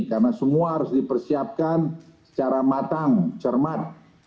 karena semua harus dipersiapkan secara matang cermat